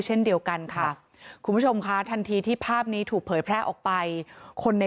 เช่นเดียวกันค่ะคุณผู้ชมค่ะทันทีที่ภาพนี้ถูกเผยแพร่ออกไปคนใน